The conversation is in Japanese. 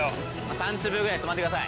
３粒ぐらいつまんでください。